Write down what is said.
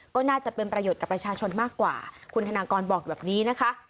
ก็น่าจะเป็นประโยชน์กับประชาชนมากกว่าคุณธนากรบอกแบบนี้นะคะ